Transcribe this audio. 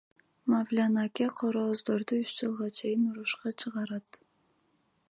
Мавлян аке короздорду үч жылга чейин урушка чыгарат.